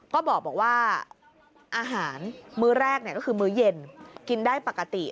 ก็บอกว่าอาหารมื้อแรกก็คือมื้อเย็นกินได้ปกติ